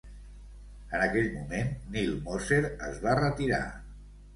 En aquell moment, Neal Moser es va retirar.